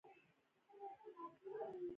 اطلاعات رسېدلي دي.